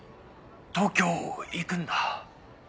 東京行くんだ。